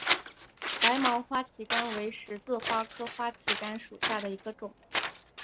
白毛花旗杆为十字花科花旗杆属下的一个种。